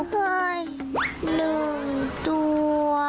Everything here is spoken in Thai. เฮ้ย๑ตัว